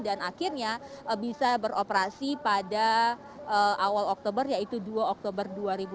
dan akhirnya bisa beroperasi pada awal oktober yaitu dua oktober dua ribu dua puluh tiga